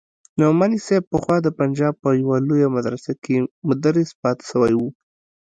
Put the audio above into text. نعماني صاحب پخوا د پنجاب په يوه لويه مدرسه کښې مدرس پاته سوى و.